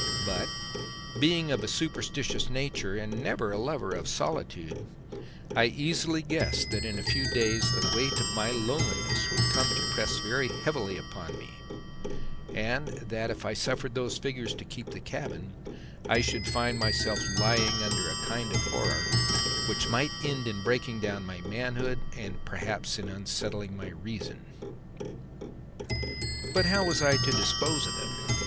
But being of a superstitious nature and never a lover of solitude, I easily guessed that in a few days the weight of my loneliness would come to press very heavily upon me, and that if I suffered those figures to keep the cabin I should find myself lying under a kind of horror which might end in breaking down my manhood and perhaps in unsettling my reason. But how was I to dispose of them?